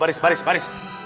baris mau baris baris